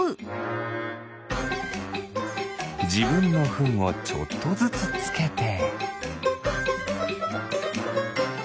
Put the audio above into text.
じぶんのフンをちょっとずつつけて。